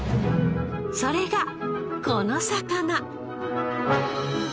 それがこの魚。